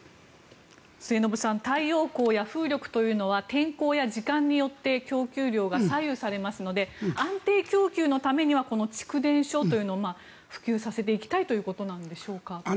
末延さん太陽光や風力は天候や時間によって供給量が左右されますので安定供給のためには蓄電所というのは普及させていきたいということなんでしょうか。